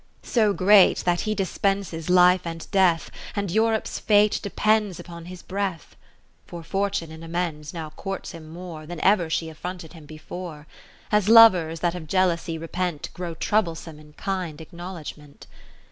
So great, that he dispenses life and death. And Europe's fate depends upon his breath. 30 (For Fortune in amends now courts him more Than ever she affronted him before : As lovers that of jealousy repent Grow troublesome in kind acknow ledgement.)